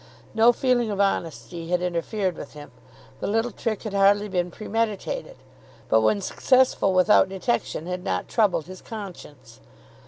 No feeling of honesty had interfered with him. The little trick had hardly been premeditated, but when successful without detection had not troubled his conscience.